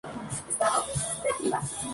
Hay cinco movimientos.